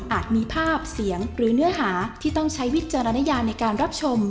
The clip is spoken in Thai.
มีภาพเสียงหรือเนื้อหาที่ต้องใช้วิจารณญาในการรับชม